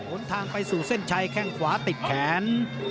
นทางไปสู่เส้นชัยแข้งขวาติดแขน